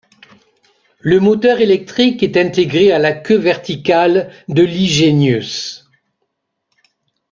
Le moteur électrique est intégré à la queue verticale de l'e-Genius.